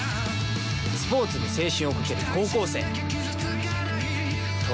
スポーツに青春をかける高校生。